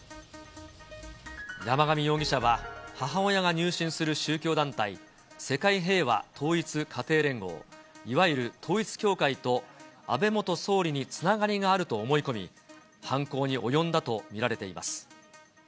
山上容疑者は、母親が入信する宗教団体、世界平和統一家庭連合、いわゆる統一教会と安倍元総理につながりがあると思い込み、犯行に及んだと見られています。